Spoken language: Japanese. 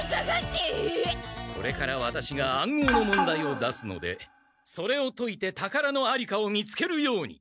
これからワタシが暗号の問題を出すのでそれを解いてたからのありかを見つけるように。